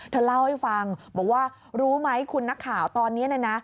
เธอเล่าให้ฟังบอกว่ารู้ไหมคุณนักข่าวตอนนี้นะนะ